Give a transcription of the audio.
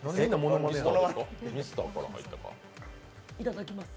いただきます。